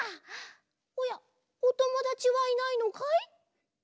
おやおともだちはいないのかい！？